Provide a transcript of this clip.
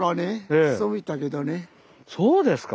そうですか。